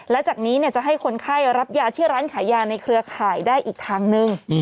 และจากนี้จะให้คนไข้รับยาที่ร้านขายยาในเครือข่ายได้อีกทางนึง